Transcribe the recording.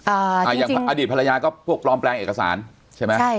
อ่าอ่าอย่างอดีตภรรยาก็พวกปลอมแปลงเอกสารใช่ไหมใช่